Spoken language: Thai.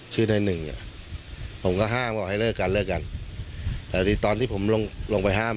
ในหนึ่งอ่ะผมก็ห้ามบอกให้เลิกกันเลิกกันแต่ตอนที่ผมลงลงไปห้าม